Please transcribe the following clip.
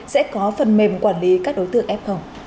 sẽ có phần mềm quản lý các đối tượng f